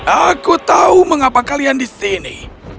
aku tahu mengapa kalian di sini